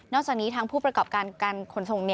จากนี้ทางผู้ประกอบการการขนส่ง